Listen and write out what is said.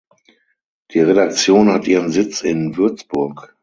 Die Redaktion hat ihren Sitz in Würzburg.